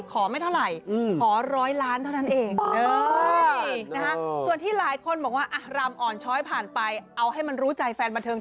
ไม่เท่าไหร่ขอร้อยล้านเท่านั้นเอง